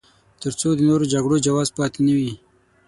تر څو د نورو جګړو جواز پاتې نه وي.